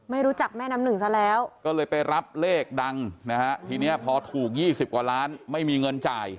ไม่รู้จักแม่น้ำหนึ่งซะแล้วก็เลยไปรับเลขดังนะฮะทีนี้พอถูก๒๐กว่าล้านไม่มีเงินจ่าย